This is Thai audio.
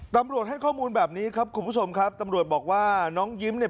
ตำรวจให้ข้อมูลแบบนี้ครับคุณผู้ชมครับตำรวจบอกว่าน้องยิ้มเนี่ย